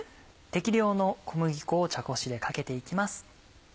適量の小麦粉を茶こしでかけて行きます。